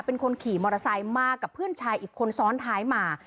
เป็นคนขี่มอเตอร์ไซค์มากับเพื่อนชายอีกคนซ้อนท้ายมา